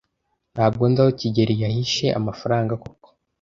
Ntabwo nzi aho kigeli yahishe amafaranga koko.